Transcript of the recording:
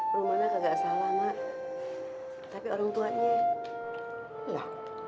rumahnya enggak salah tapi orangtua nya